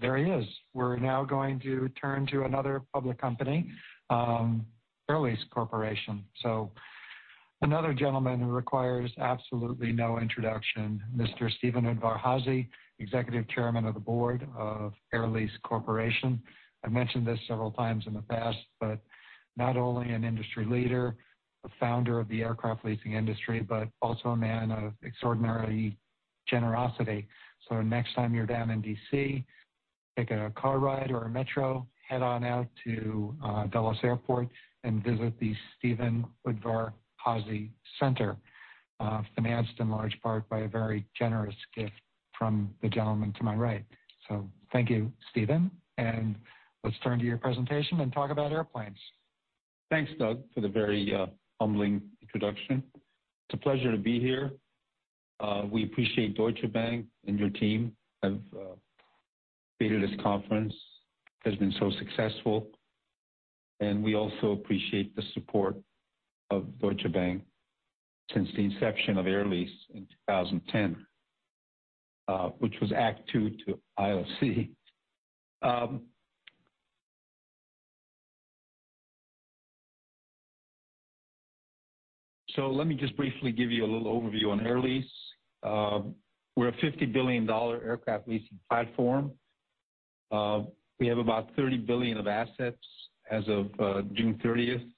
There he is. We're now going to turn to another public company, Air Lease Corporation. So another gentleman who requires absolutely no introduction, Mr. Steven Udvar-Hazy, Executive Chairman of the Board of Air Lease Corporation. I've mentioned this several times in the past, but not only an industry leader, a founder of the aircraft leasing industry, but also a man of extraordinary generosity. So the next time you're down in D.C., take a car ride or a metro, head on out to Dulles Airport, and visit the Steven Udvar-Hazy Center, financed in large part by a very generous gift from the gentleman to my right. So thank you, Steven, and let's turn to your presentation and talk about airplanes. Thanks, Doug, for the very, humbling introduction. It's a pleasure to be here. We appreciate Deutsche Bank and your team have created this conference, has been so successful, and we also appreciate the support of Deutsche Bank since the inception of Air Lease in 2010, which was Act Two to ILFC. So let me just briefly give you a little overview on Air Lease. We're a $50 billion aircraft leasing platform. We have about $30 billion of assets as of June 30.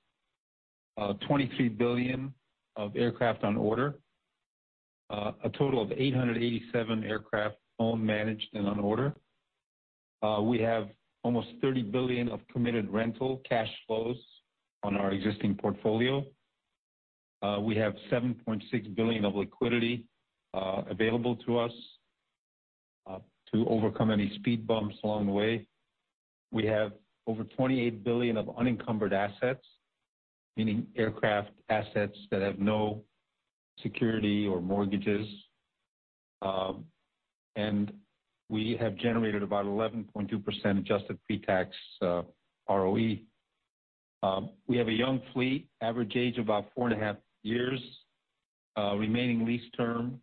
$23 billion of aircraft on order. A total of 887 aircraft owned, managed, and on order. We have almost $30 billion of committed rental cash flows on our existing portfolio. We have $7.6 billion of liquidity available to us to overcome any speed bumps along the way. We have over $28 billion of unencumbered assets, meaning aircraft assets that have no security or mortgages. And we have generated about 11.2% adjusted pre-tax ROE. We have a young fleet, average age of about 4.5 years. Remaining lease term,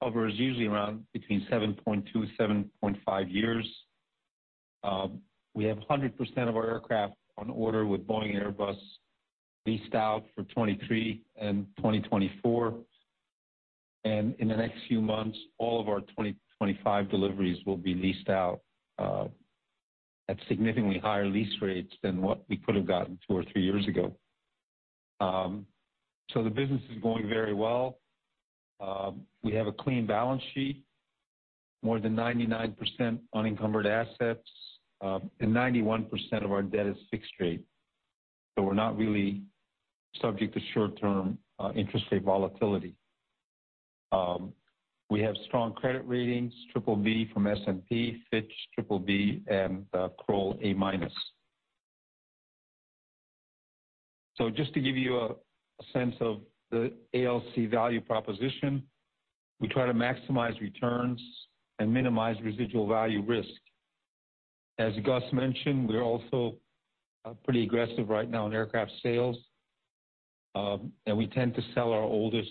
however, is usually around between 7.2-7.5 years. We have 100% of our aircraft on order with Boeing and Airbus, leased out for 2023 and 2024. And in the next few months, all of our 2025 deliveries will be leased out at significantly higher lease rates than what we could have gotten two or three years ago. So the business is going very well. We have a clean balance sheet, more than 99% unencumbered assets, and 91% of our debt is fixed rate, so we're not really subject to short-term interest rate volatility. We have strong credit ratings, BBB from S&P, Fitch BBB, and Kroll A-. So just to give you a sense of the ALC value proposition, we try to maximize returns and minimize residual value risk. As Gus mentioned, we're also pretty aggressive right now in aircraft sales, and we tend to sell our oldest,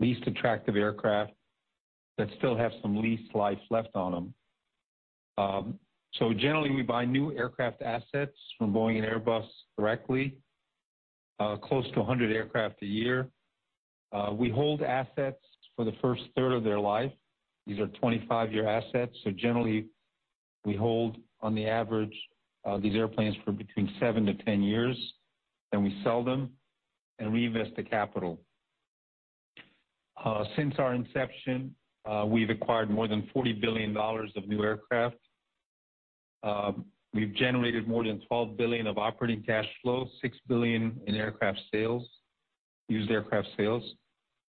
least attractive aircraft that still have some lease life left on them. So generally, we buy new aircraft assets from Boeing and Airbus directly, close to 100 aircraft a year. We hold assets for the first third of their life. These are 25-year assets, so generally, we hold, on the average, these airplanes for between seven to 10 years, then we sell them and reinvest the capital. Since our inception, we've acquired more than $40 billion of new aircraft. We've generated more than $12 billion of operating cash flow, $6 billion in aircraft sales, used aircraft sales,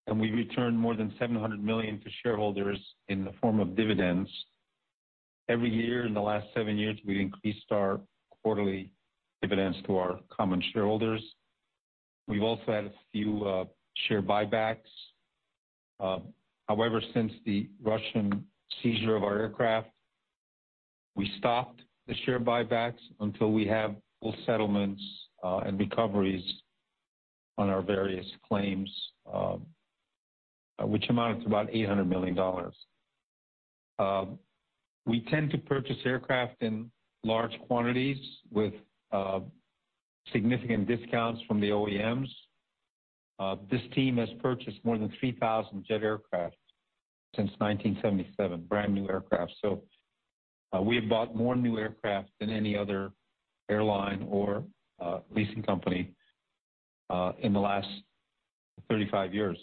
and we've returned more than $700 million to shareholders in the form of dividends. Every year in the last seven years, we've increased our quarterly dividends to our common shareholders. We've also had a few, share buybacks. However, since the Russian seizure of our aircraft, we stopped the share buybacks until we have full settlements, and recoveries on our various claims, which amount to about $800 million. We tend to purchase aircraft in large quantities with significant discounts from the OEMs. This team has purchased more than 3,000 jet aircraft since 1977, brand-new aircraft. So, we have bought more new aircraft than any other airline or leasing company in the last 35 years.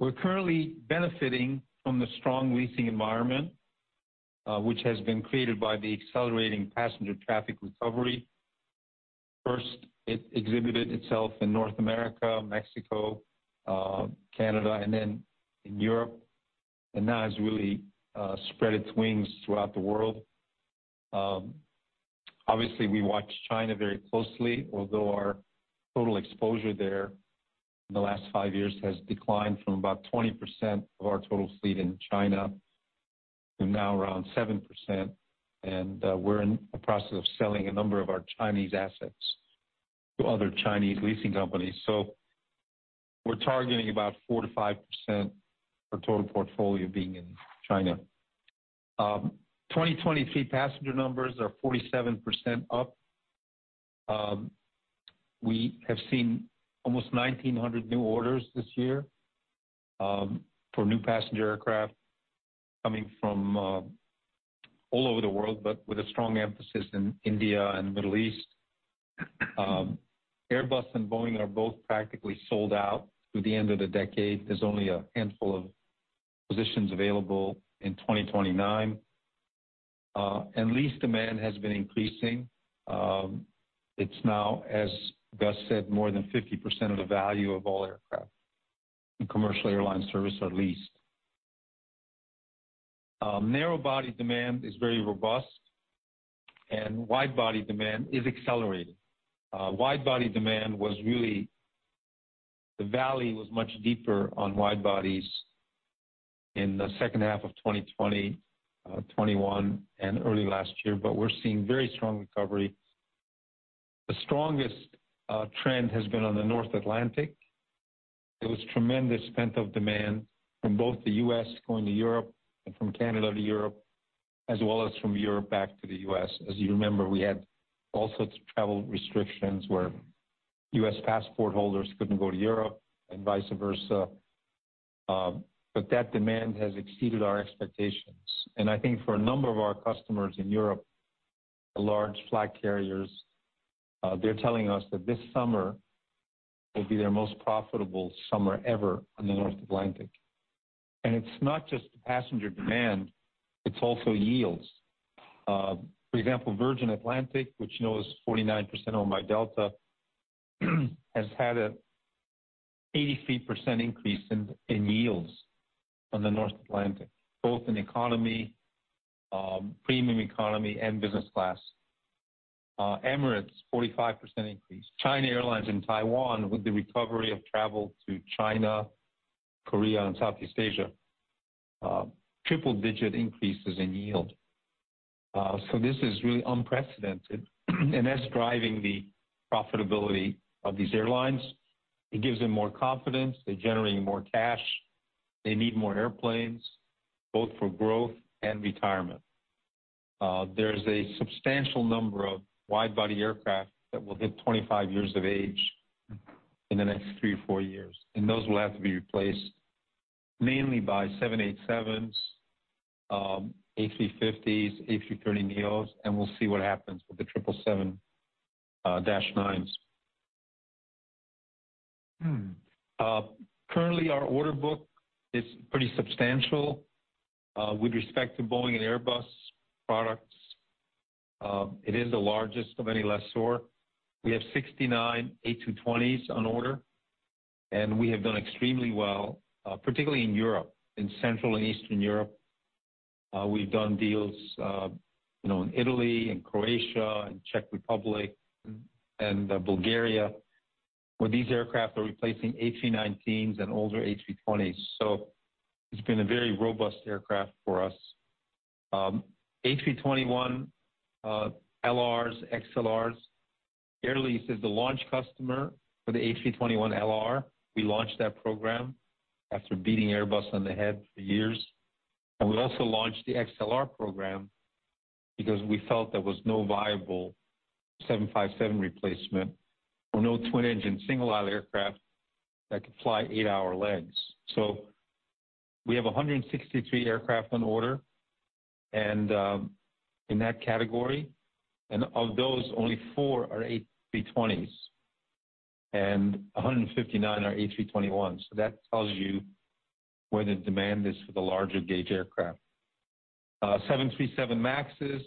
We're currently benefiting from the strong leasing environment, which has been created by the accelerating passenger traffic recovery. First, it exhibited itself in North America, Mexico, Canada, and then in Europe, and now has really spread its wings throughout the world. Obviously, we watch China very closely, although our total exposure there in the last five years has declined from about 20% of our total fleet in China-... to now around 7%, and we're in the process of selling a number of our Chinese assets to other Chinese leasing companies. So we're targeting about 4%-5% of total portfolio being in China. 2023 passenger numbers are 47% up. We have seen almost 1,900 new orders this year, for new passenger aircraft coming from all over the world, but with a strong emphasis in India and the Middle East. Airbus and Boeing are both practically sold out through the end of the decade. There's only a handful of positions available in 2029. And lease demand has been increasing. It's now, as Gus said, more than 50% of the value of all aircraft in commercial airline service are leased. Narrow-body demand is very robust, and wide-body demand is accelerating. The valley was much deeper on wide bodies in the second half of 2020, 2021, and early last year, but we're seeing very strong recovery. The strongest trend has been on the North Atlantic. There was tremendous pent-up demand from both the U.S. going to Europe and from Canada to Europe, as well as from Europe back to the U.S. As you remember, we had all sorts of travel restrictions where U.S. passport holders couldn't go to Europe and vice versa. But that demand has exceeded our expectations. And I think for a number of our customers in Europe, the large flag carriers, they're telling us that this summer will be their most profitable summer ever on the North Atlantic. And it's not just the passenger demand, it's also yields. For example, Virgin Atlantic, which is 49% owned by Delta, has had an 83% increase in yields on the North Atlantic, both in economy, premium economy, and business class. Emirates, 45% increase. China Airlines in Taiwan, with the recovery of travel to China, Korea, and Southeast Asia, triple-digit increases in yield. So this is really unprecedented, and that's driving the profitability of these airlines. It gives them more confidence. They're generating more cash. They need more airplanes, both for growth and retirement. There's a substantial number of wide-body aircraft that will hit 25 years of age in the next three or four years, and those will have to be replaced mainly by 787s, A350s, A330neos, and we'll see what happens with the 777-9s. Currently, our order book is pretty substantial. With respect to Boeing and Airbus products, it is the largest of any lessor. We have 69 A220s on order, and we have done extremely well, particularly in Europe, in Central and Eastern Europe. We've done deals, you know, in Italy, and Croatia, and Czech Republic, and Bulgaria, where these aircraft are replacing A319s and older A320s. So it's been a very robust aircraft for us. A321LRs, XLRs. Air Lease is the launch customer for the A321LR. We launched that program after beating Airbus on the head for years, and we also launched the XLR program because we felt there was no viable 757 replacement or no twin-engine single-aisle aircraft that could fly eight-hour legs. So we have 163 aircraft on order, and, in that category, and of those, only four are A320s and 159 are A321s. So that tells you where the demand is for the larger gauge aircraft. 737 MAXes,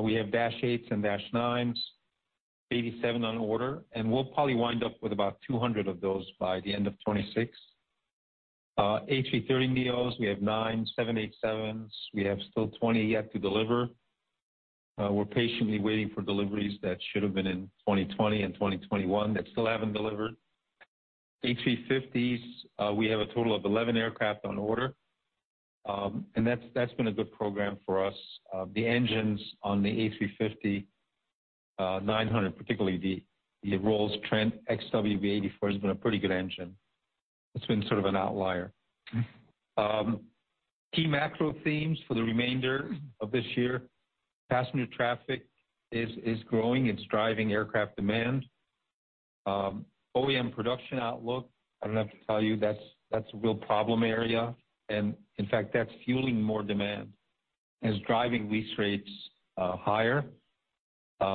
we have Dash 8s and Dash 9s, 87 on order, and we'll probably wind up with about 200 of those by the end of 2026. A330neos, we have nine, 787s, we have still 20 yet to deliver. We're patiently waiting for deliveries that should have been in 2020 and 2021 that still haven't delivered. A350s, we have a total of 11 aircraft on order, and that's, that's been a good program for us. The engines on the A350-900, particularly the Rolls-Royce Trent XWB-84 has been a pretty good engine. It's been sort of an outlier. Key macro themes for the remainder of this year, passenger traffic is growing. It's driving aircraft demand. OEM production outlook, I don't have to tell you, that's a real problem area. And in fact, that's fueling more demand and is driving lease rates higher.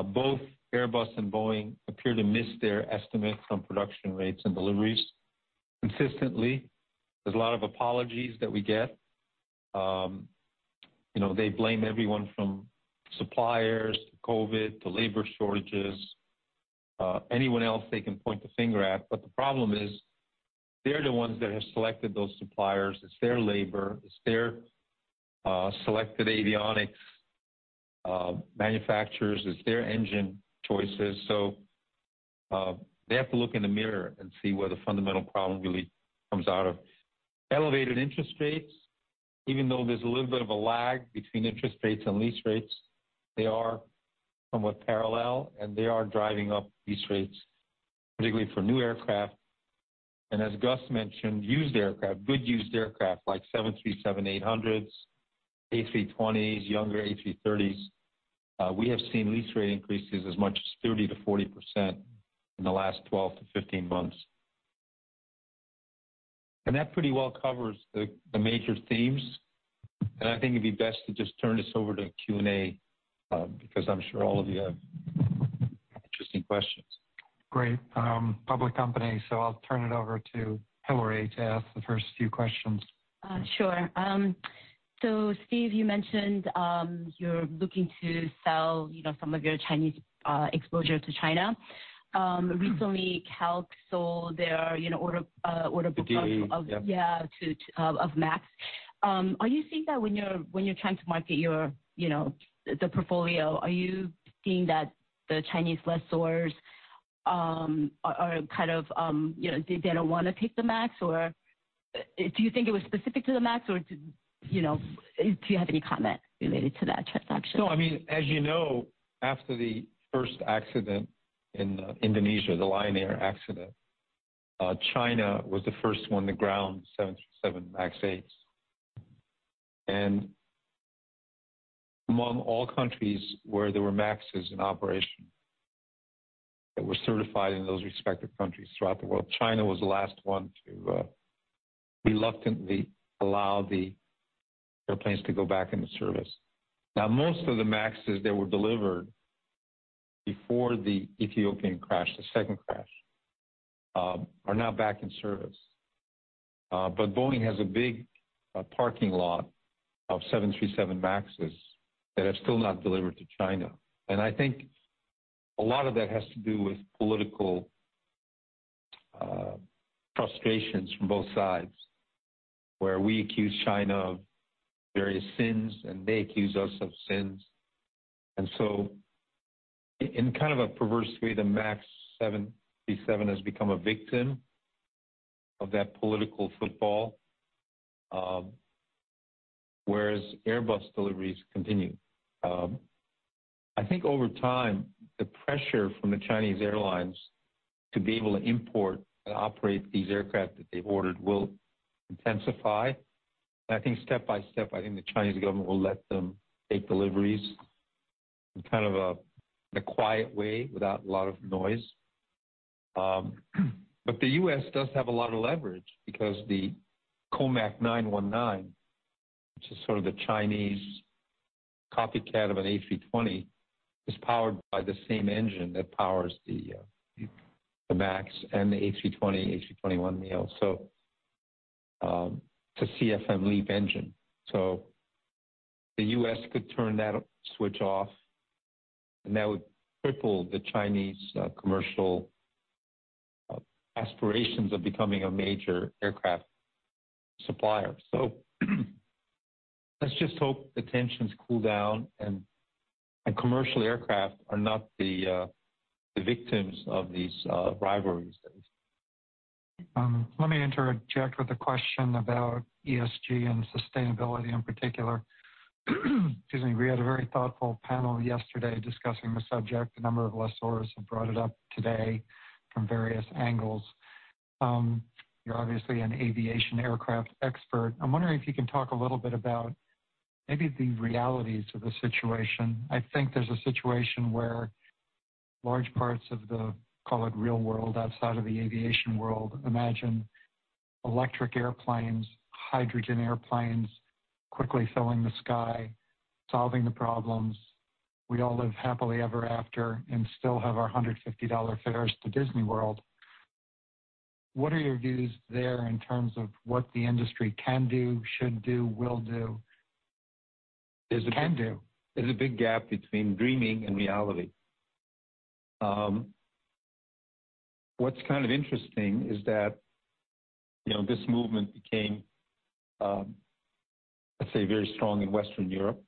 Both Airbus and Boeing appear to miss their estimates on production rates and deliveries consistently. There's a lot of apologies that we get. You know, they blame everyone from suppliers, to COVID, to labor shortages, anyone else they can point the finger at. But the problem is, they're the ones that have selected those suppliers. It's their labor, it's their selected avionics manufacturers, it's their engine choices. So, they have to look in the mirror and see where the fundamental problem really comes out of. Elevated interest rates, even though there's a little bit of a lag between interest rates and lease rates, they are somewhat parallel, and they are driving up lease rates, particularly for new aircraft. And as Gus mentioned, used aircraft, good used aircraft, like 737-800s, A320s, younger A330s, we have seen lease rate increases as much as 30%-40% in the last 12-15 months. And that pretty well covers the major themes, and I think it'd be best to just turn this over to Q&A, because I'm sure all of you have interesting questions. Great. Public company, so I'll turn it over to Hillary to ask the first few questions. Sure. So Steve, you mentioned you're looking to sell, you know, some of your Chinese exposure to China. Recently, CALC sold their, you know, order book of- Yeah. Yeah, to of MAX. Are you seeing that when you're trying to market your, you know, the portfolio? Are you seeing that the Chinese lessors are kind of, you know, they don't wanna take the MAX? Or do you think it was specific to the MAX, or, you know, do you have any comment related to that transaction? No, I mean, as you know, after the first accident in Indonesia, the Lion Air accident, China was the first one to ground 737 MAX 8. And among all countries where there were 737 MAXs in operation, that were certified in those respective countries throughout the world, China was the last one to reluctantly allow the airplanes to go back into service. Now, most of the 737 MAXs that were delivered before the Ethiopian crash, the second crash, are now back in service. But Boeing has a big parking lot of 737 MAXs that are still not delivered to China. And I think a lot of that has to do with political frustrations from both sides, where we accuse China of various sins, and they accuse us of sins. And so in kind of a perverse way, the 737 MAX has become a victim of that political football, whereas Airbus deliveries continue. I think over time, the pressure from the Chinese airlines to be able to import and operate these aircraft that they've ordered will intensify. I think step by step, I think the Chinese government will let them take deliveries in kind of a, in a quiet way, without a lot of noise. But the U.S. does have a lot of leverage because the COMAC C919, which is sort of the Chinese copycat of an A320, is powered by the same engine that powers the MAX and the A320, A321neo. So, it's a CFM LEAP engine. So the U.S. could turn that switch off, and that would cripple the Chinese commercial aspirations of becoming a major aircraft supplier. So let's just hope the tensions cool down, and commercial aircraft are not the victims of these rivalries. Let me interject with a question about ESG and sustainability in particular. Excuse me. We had a very thoughtful panel yesterday discussing the subject. A number of lessors have brought it up today from various angles. You're obviously an aviation aircraft expert. I'm wondering if you can talk a little bit about maybe the realities of the situation. I think there's a situation where large parts of the, call it, real world, outside of the aviation world, imagine electric airplanes, hydrogen airplanes, quickly filling the sky, solving the problems. We all live happily ever after and still have our $150 fares to Disney World. What are your views there in terms of what the industry can do, should do, will do? There's a big- Can do. There's a big gap between dreaming and reality. What's kind of interesting is that, you know, this movement became, let's say, very strong in Western Europe.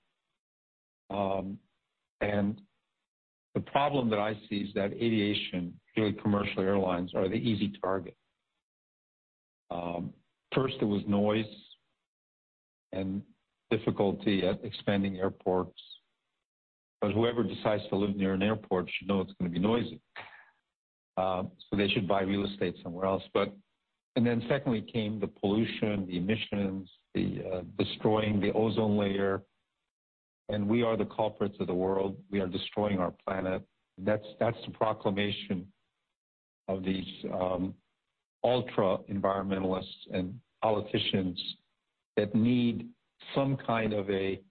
And the problem that I see is that aviation, really commercial airlines, are the easy target. First it was noise and difficulty at expanding airports, because whoever decides to live near an airport should know it's gonna be noisy, so they should buy real estate somewhere else. And then secondly, came the pollution, the emissions, the destroying the ozone layer, and we are the culprits of the world. We are destroying our planet. That's, that's the proclamation of these, ultra environmentalists and politicians that need some kind of a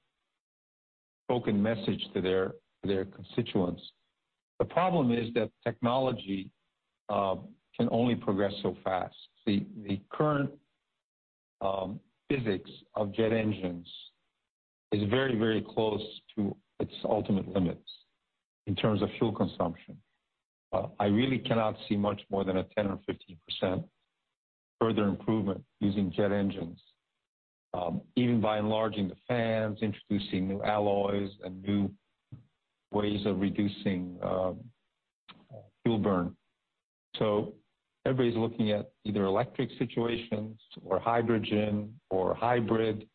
spoken message to their, their constituents. The problem is that technology can only progress so fast. The current physics of jet engines is very, very close to its ultimate limits in terms of fuel consumption. I really cannot see much more than a 10%-15% further improvement using jet engines, even by enlarging the fans, introducing new alloys and new ways of reducing fuel burn. So everybody's looking at either electric situations or hydrogen or hybrid,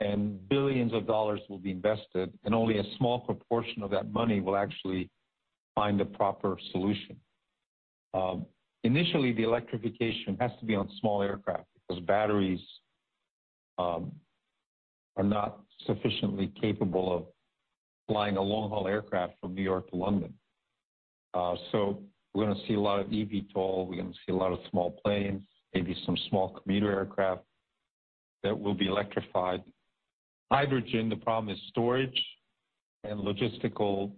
and $ billions will be invested, and only a small proportion of that money will actually find the proper solution. Initially, the electrification has to be on small aircraft, because batteries are not sufficiently capable of flying a long-haul aircraft from New York to London. So we're gonna see a lot of eVTOL, we're gonna see a lot of small planes, maybe some small commuter aircraft that will be electrified. Hydrogen, the problem is storage and logistical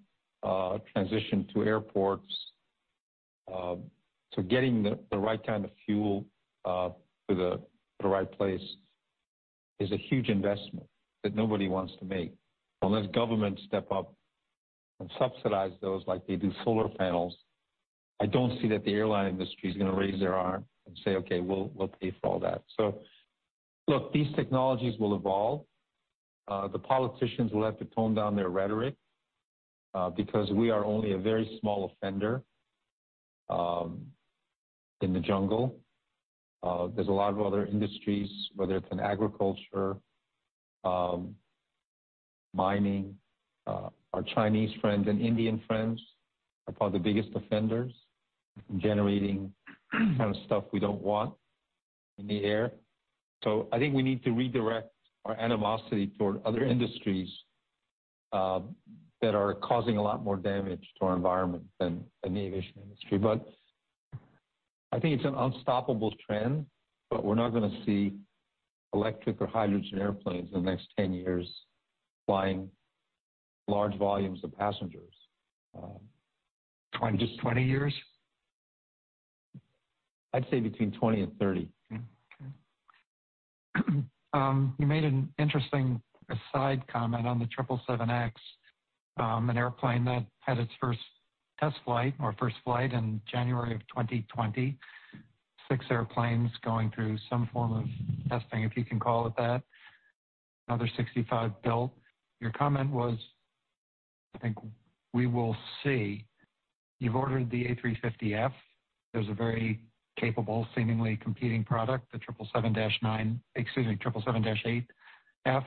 transition to airports, so getting the right kind of fuel to the right place is a huge investment that nobody wants to make. Unless governments step up and subsidize those like they do solar panels, I don't see that the airline industry is gonna raise their arm and say, "Okay, we'll pay for all that." So look, these technologies will evolve. The politicians will have to tone down their rhetoric because we are only a very small offender in the jungle. There's a lot of other industries, whether it's in agriculture, mining. Our Chinese friends and Indian friends are probably the biggest offenders in generating the kind of stuff we don't want in the air. So I think we need to redirect our animosity toward other industries that are causing a lot more damage to our environment than the aviation industry. But I think it's an unstoppable trend, but we're not gonna see electric or hydrogen airplanes in the next 10 years flying large volumes of passengers. Just 20 years? I'd say between 20 and 30. Okay. You made an interesting aside comment on the 777X, an airplane that had its first test flight or first flight in January 2020. 6 airplanes going through some form of testing, if you can call it that. Another 65 built. Your comment was, I think, "We will see." You've ordered the A350F. There's a very capable, seemingly competing product, the 777-9—excuse me, 777-8F.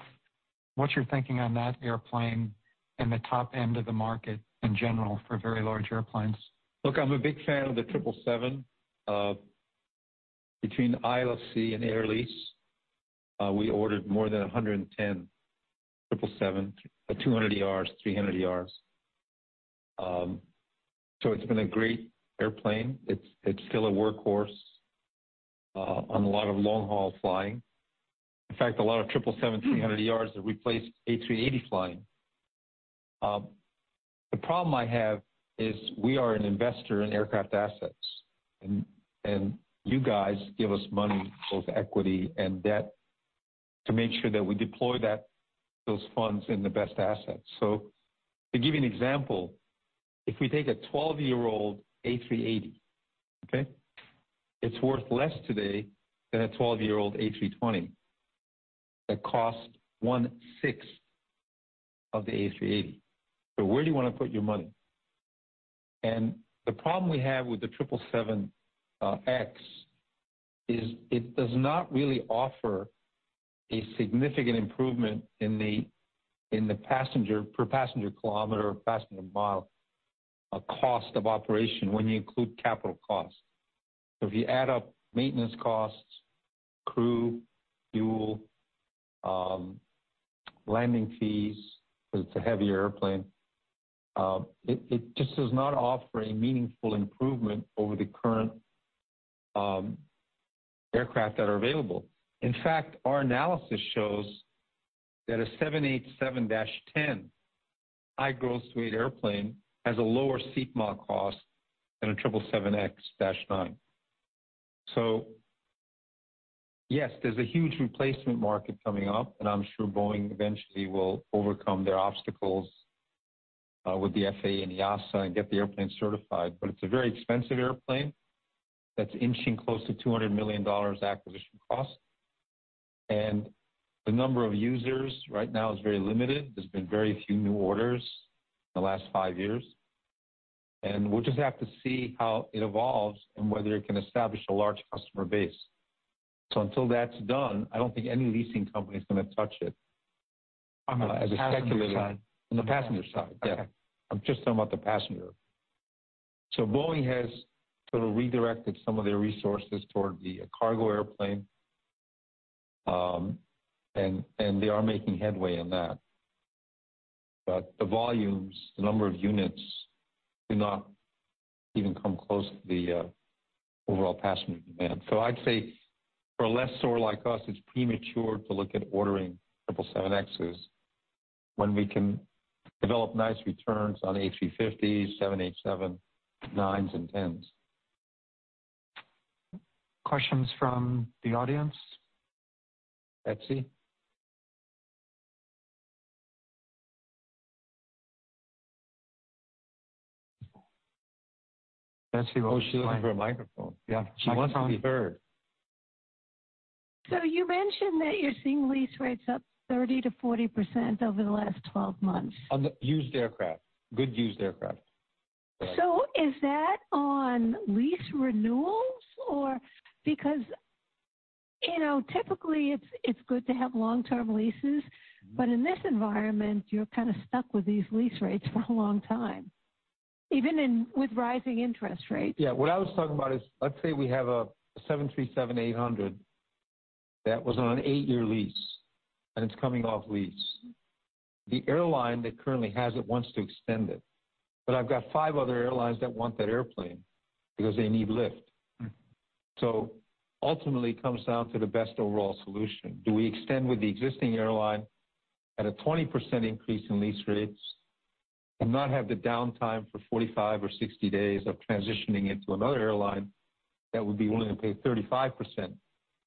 What's your thinking on that airplane and the top end of the market in general for very large airplanes? Look, I'm a big fan of the 777. Between ILFC and Air Lease, we ordered more than 110 777-200ERs, 300ERs. So it's been a great airplane. It's still a workhorse on a lot of long-haul flying. In fact, a lot of 777-300 ERs have replaced A380 flying. The problem I have is we are an investor in aircraft assets, and you guys give us money, both equity and debt, to make sure that we deploy those funds in the best assets. So to give you an example, if we take a 12-year-old A380, okay? It's worth less today than a 12-year-old A320 that costs one-sixth of the A380. So where do you want to put your money? The problem we have with the 777X is it does not really offer a significant improvement in the, in the passenger, per passenger kilometer or passenger mile, a cost of operation when you include capital costs. So if you add up maintenance costs, crew, fuel, landing fees, because it's a heavier airplane, it just does not offer a meaningful improvement over the current, aircraft that are available. In fact, our analysis shows that a 787-10 high growth rate airplane has a lower seat mile cost than a 777X-9. So yes, there's a huge replacement market coming up, and I'm sure Boeing eventually will overcome their obstacles, with the FAA and EASA and get the airplane certified. But it's a very expensive airplane that's inching close to $200 million acquisition cost. The number of users right now is very limited. There's been very few new orders in the last five years, and we'll just have to see how it evolves and whether it can establish a large customer base. Until that's done, I don't think any leasing company is gonna touch it. On the passenger side. On the passenger side, yeah. Okay. I'm just talking about the passenger. So Boeing has sort of redirected some of their resources toward the cargo airplane, and they are making headway on that. But the volumes, the number of units, do not even come close to the overall passenger demand. So I'd say for a lessor like us, it's premature to look at ordering 777Xs when we can develop nice returns on A350, 787-9s and 10s.... Questions from the audience? Betsy? Betsy, oh, she's looking for a microphone. Yeah, she wants to be heard. You mentioned that you're seeing lease rates up 30%-40% over the last 12 months? On the used aircraft, good used aircraft. Is that on lease renewals or because, you know, typically it's, it's good to have long-term leases, but in this environment, you're kind of stuck with these lease rates for a long time, even in with rising interest rates? Yeah. What I was talking about is, let's say we have a 737-800 that was on an eight-year lease, and it's coming off lease. The airline that currently has it wants to extend it, but I've got five other airlines that want that airplane because they need lift. So ultimately, it comes down to the best overall solution. Do we extend with the existing airline at a 20% increase in lease rates and not have the downtime for 45 or 60 days of transitioning into another airline that would be willing to pay 35%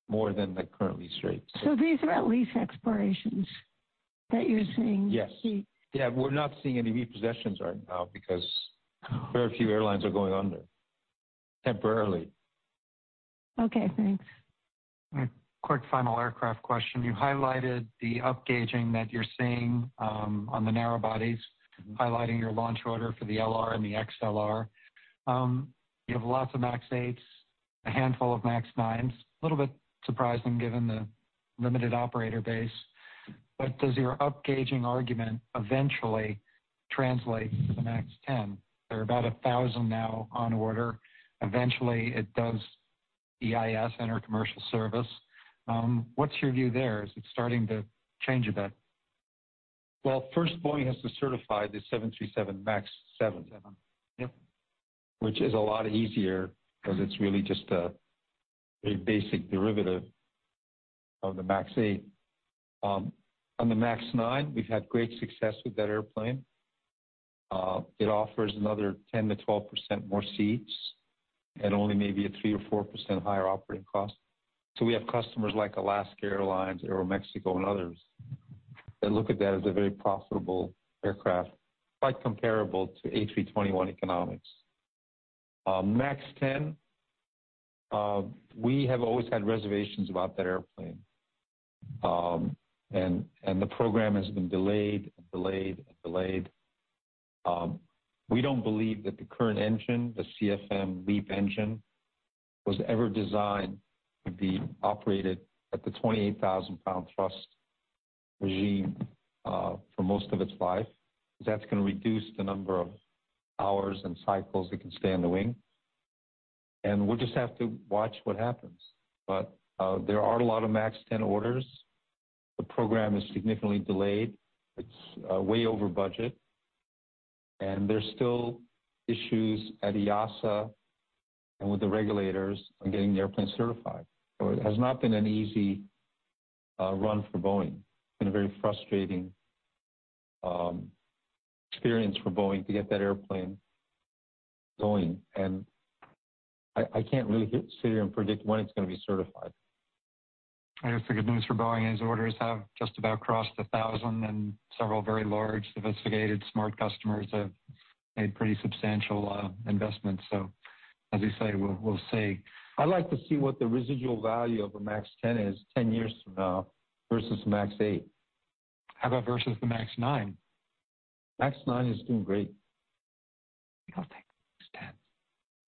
more than the current lease rates? So these are at lease expirations that you're seeing? Yes. Yeah, we're not seeing any repossessions right now because very few airlines are going under temporarily. Okay, thanks. A quick final aircraft question. You highlighted the upgauging that you're seeing, on the narrow bodies, highlighting your launch order for the LR and the XLR. You have lots of MAX 8s, a handful of MAX 9s. A little bit surprising given the limited operator base, but does your upgauging argument eventually translate to the MAX 10? There are about 1,000 now on order. Eventually, it does EIS enter commercial service. What's your view there? Is it starting to change a bit? Well, first, Boeing has to certify the 737 MAX 7. Yep. Which is a lot easier because it's really just a basic derivative of the MAX 8. On the MAX 9, we've had great success with that airplane. It offers another 10%-12% more seats at only maybe a 3% or 4% higher operating cost. So we have customers like Alaska Airlines, Aeroméxico, and others, that look at that as a very profitable aircraft, quite comparable to A321 economics. MAX 10, we have always had reservations about that airplane, and the program has been delayed, and delayed, and delayed. We don't believe that the current engine, the CFM LEAP engine, was ever designed to be operated at the 28,000-pound thrust regime, for most of its life. That's going to reduce the number of hours and cycles that can stay on the wing, and we'll just have to watch what happens. But there are a lot of MAX 10 orders. The program is significantly delayed. It's way over budget, and there's still issues at EASA and with the regulators on getting the airplane certified. So it has not been an easy run for Boeing. It's been a very frustrating experience for Boeing to get that airplane going, and I can't really sit here and predict when it's going to be certified. I guess the good news for Boeing is orders have just about crossed 1,000, and several very large, sophisticated, smart customers have made pretty substantial investments. So as you say, we'll see. I'd like to see what the residual value of a MAX 10 is 10 years from now versus MAX 8. How about versus the MAX 9? MAX 9 is doing great. I'll take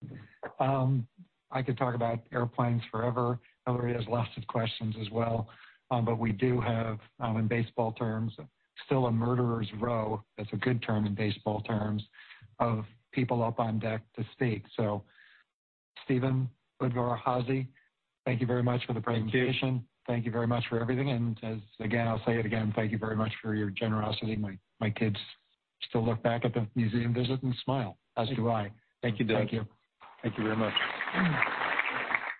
the MAX 10. I could talk about airplanes forever. Everybody has lots of questions as well, but we do have, in baseball terms, still a murderer's row. That's a good term in baseball terms of people up on deck to speak. So, Steven Udvar-Házy, thank you very much for the presentation. Thank you. Thank you very much for everything. And as again, I'll say it again, thank you very much for your generosity. My, my kids still look back at the museum visit and smile, as do I. Thank you, Doug. Thank you. Thank you very much.